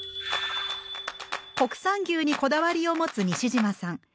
国産牛にこだわりを持つ西島さん。